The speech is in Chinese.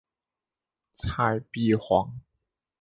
蔡璧煌。